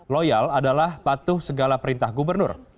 loyal adalah patuh segala perintah gubernur